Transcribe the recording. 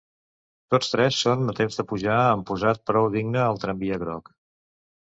Tots tres són a temps de pujar amb posat prou digne al tramvia groc.